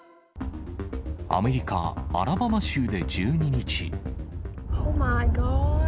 アメリカ・アラバマ州で１２日。